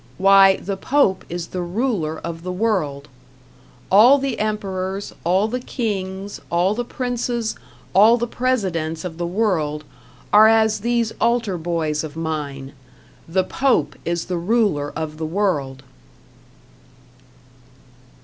Why, the Pope is the ruler of the world. All the emperors, all the kings, all the princes, all the presidents of the world, are as these altar boys of mine. The Pope is the ruler of the world.